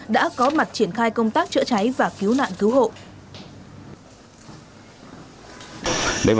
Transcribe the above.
đã có mặt triển khai công tác chữa cháy và cứu nạn cứu hộ